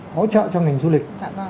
hỗ trợ cho ngành du lịch